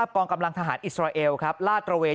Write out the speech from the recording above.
กำลังทหารอิสราเอลครับลาดตระเวน